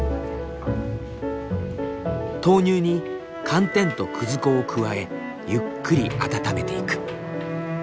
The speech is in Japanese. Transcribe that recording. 豆乳に寒天とくず粉を加えゆっくり温めていく。